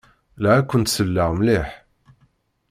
La akent-selleɣ mliḥ.